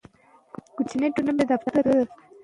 کوچني ټپونه په دقیق ډول معلومېږي.